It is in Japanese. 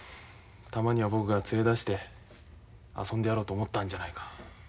たまには僕が連れ出して遊んでやろうと思ったんじゃないか。